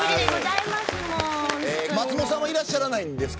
松本さんがいらっしゃらないです。